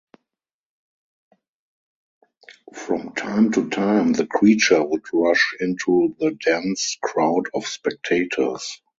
From time to time the creature would rush into the dense crowd of spectators.